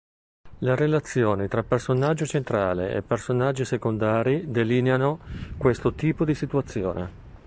Le relazioni tra personaggio centrale e personaggi secondari delineano questo tipo di situazione.